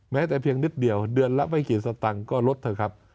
แม้แต่เพียงนิดเดียวเดือนละไม่กี่สตังค์ก็ลดเถอะครับ